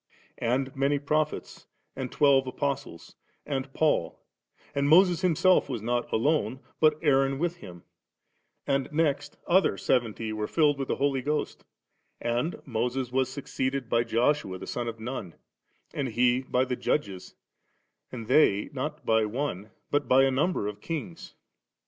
And many Prophets, and twelve Apostles, and Paul And Moses himself was not alone, but Aaron with him, and next other seventy were filled with the Holy Ghost And Moses was succeeded by Joshua the son of Nun, and he by the Judges, and they not by one, but by a number of Kings.